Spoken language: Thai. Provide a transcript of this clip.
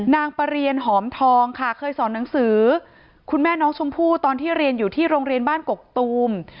นางประเรียนหอมทองค่ะเคยสอนหนังสือคุณแม่น้องชมพู่ตอนที่เรียนอยู่ที่โรงเรียนบ้านกกตูม